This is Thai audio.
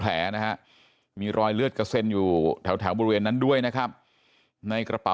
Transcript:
แผลนะฮะมีรอยเลือดกระเซ็นอยู่แถวบริเวณนั้นด้วยนะครับในกระเป๋า